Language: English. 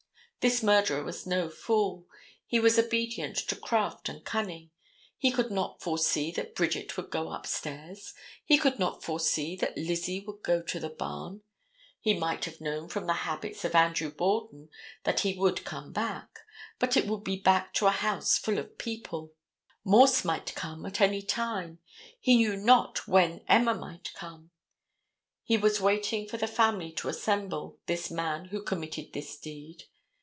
This murderer was no fool: he was obedient to craft and cunning. He could not forsee that Bridget would go upstairs. He could not forsee that Lizzie would go to the barn. He might have known from the habits of Andrew Borden that he would come back, but it would be back to a house full of people—Morse might come at any time: he knew not when Emma might come. He was waiting for the family to assemble, this man who committed this deed.